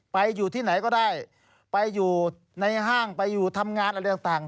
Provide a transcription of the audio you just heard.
อยู่ที่ไหนก็ได้ไปอยู่ในห้างไปอยู่ทำงานอะไรต่าง